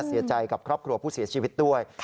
เสียใจกับครอบครัวผู้เสียชีวิตด้วย